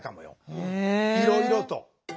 いろいろと。